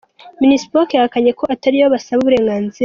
Minispoc yahakanye ko atariyo basaba uburenganzira.